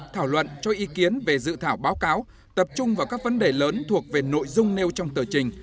thảo luận cho ý kiến về dự thảo báo cáo tập trung vào các vấn đề lớn thuộc về nội dung nêu trong tờ trình